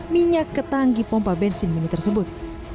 minyak ketanggi pompa bensin mini tersebut